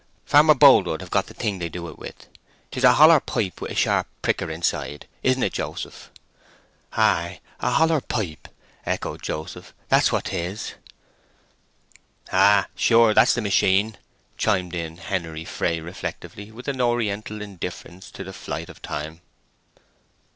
Farmer Boldwood hev got the thing they do it with. 'Tis a holler pipe, with a sharp pricker inside. Isn't it, Joseph?" "Ay—a holler pipe," echoed Joseph. "That's what 'tis." "Ay, sure—that's the machine," chimed in Henery Fray, reflectively, with an Oriental indifference to the flight of time.